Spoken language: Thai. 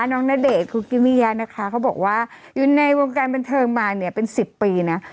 น้องณเดชน์คุณกิมมิยานะคะเขาบอกว่าอยู่ในวงการบรรเทิงมาเป็น๑๐ปีนะ